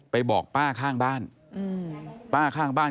ไปบอกป้าข้างบ้าน